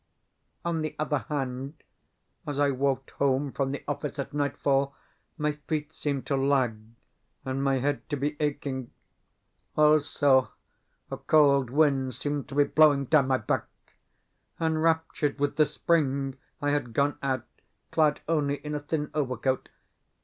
On the other hand, as I walked home from the office at nightfall my feet seemed to lag, and my head to be aching. Also, a cold wind seemed to be blowing down my back (enraptured with the spring, I had gone out clad only in a thin overcoat).